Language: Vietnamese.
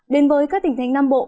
đến với các tỉnh thánh nam bộ